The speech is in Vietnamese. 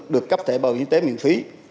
được cấp thể bảo hiểm y tế miễn phí